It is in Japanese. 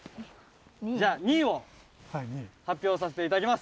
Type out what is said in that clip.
じゃあ第１位を発表させて頂きます。